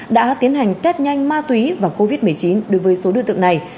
đã tiến hành test nhanh ma túy và covid một mươi chín đối với số đối tượng này